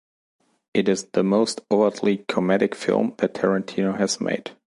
It is the most overtly comedic film that Tarantino has made.